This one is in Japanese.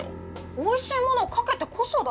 おいしいものをかけてこそだよ。